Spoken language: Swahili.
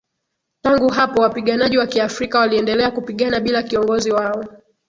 Tangu hapo wapiganaji wa Kiafrika waliendelea kupigana bila kiongozi wao